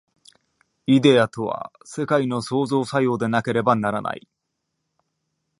イデヤとは世界の創造作用でなければならない。